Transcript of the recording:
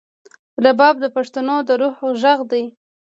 رباب د پښتنو د روح غږ دی.